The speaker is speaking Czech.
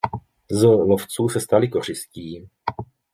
Z lovců se stali kořistí.